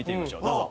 どうぞ。